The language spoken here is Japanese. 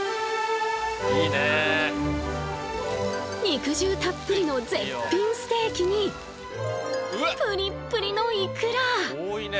肉汁たっぷりの絶品ステーキにプリップリのいくら！